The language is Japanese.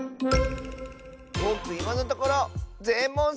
ぼくいまのところぜん